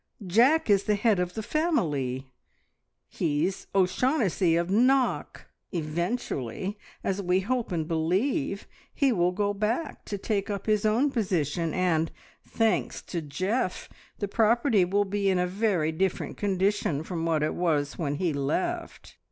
Jack is the head of the family he's O'Shaughnessy of Knock! Eventually, as we hope and believe, he will go back to take up his own position, and, thanks to Geoff, the property will be in a very different condition from what it was when he left.